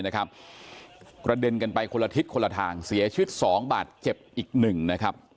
กระเด็นกันไปคนละทิศคนละทางเสียชีวิต๒บาทเจ็บอีกหนึ่งนะครับ